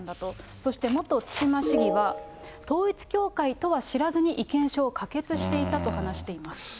そして元対馬市議は統一教会とは知らずに意見書を可決していたと話しています。